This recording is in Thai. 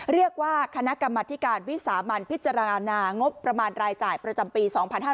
คณะกรรมธิการวิสามันพิจารณางบประมาณรายจ่ายประจำปี๒๕๕๙